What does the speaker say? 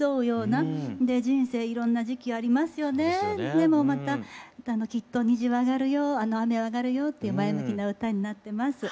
でもまたきっと虹はあがるよ雨はあがるよっていう前向きな歌になってます。